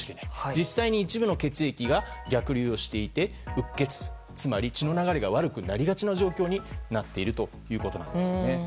実際に一部の血液が逆流をしていて、うっ血つまり血の流れが悪くなりがちの状況になっているんです。